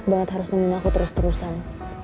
banget harus nemenin aku terus terusan